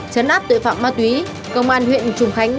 chấn áp tội phạm ma túy công an huyện trùng khánh